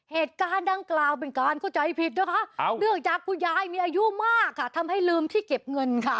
เหตุการณ์ดังกล่าวเป็นการเข้าใจผิดนะคะเนื่องจากคุณยายมีอายุมากค่ะทำให้ลืมที่เก็บเงินค่ะ